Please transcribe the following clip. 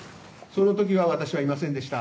その時は私はいませんでした。